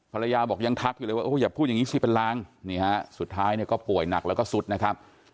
ภรรยาบอกยังทักอยู่เลยว่าอย่าพูดอย่างนี้สิเป็นลางนี่ฮะสุดท้ายเนี่ยก็ป่วยหนักแล้วก็สุดนะครับ